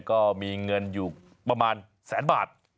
ก็มีเงินอยู่ประมาณแสนบาท